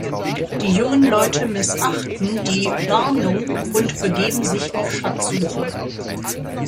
Die jungen Leute missachten die Warnung und begeben sich auf Schatzsuche.